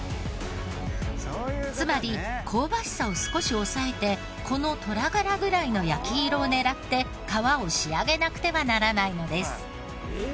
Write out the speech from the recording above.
つまり香ばしさを少し抑えてこのトラ柄ぐらいの焼き色を狙って皮を仕上げなくてはならないのです。